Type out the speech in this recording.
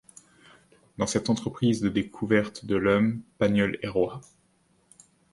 Dans cette entreprise de découverte de l'homme, Pagnol est roi.